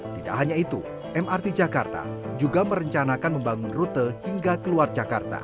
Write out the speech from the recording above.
tidak hanya itu mrt jakarta juga merencanakan membangun rute hingga keluar jakarta